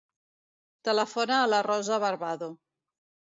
Telefona a la Rosa Barbado.